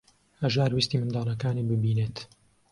هەژار ویستی منداڵەکانی ببینێت.